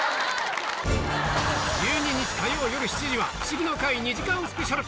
１２日火曜よる７時は『フシギの会』２時間スペシャル